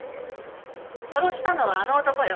殺したのはあの男よ。